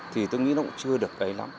thì tôi nghĩ nó cũng chưa được